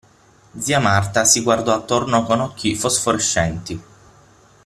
Zia Marta si guardò attorno con occhi fosforescenti.